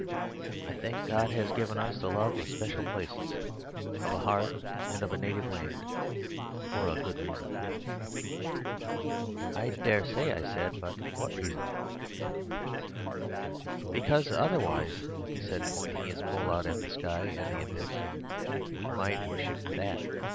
I think God has given us the love of special places, of a hearth and of a native land, for a good reason.' "'I dare say,' I said. 'What reason?' "'Because otherwise,' he said, pointing his pole out at the sky and the abyss, 'we might worship that.